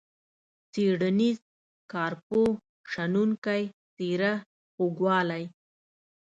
څیړنیز، کارپوه ، شنونکی ، څیره، خوږوالی.